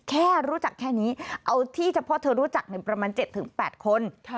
แค่รู้จักแค่นี้เอาที่เฉพาะเธอรู้จักประมาณ๗๘คน